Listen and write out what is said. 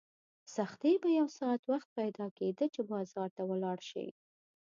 په سختۍ به یو ساعت وخت پیدا کېده چې بازار ته ولاړ شې.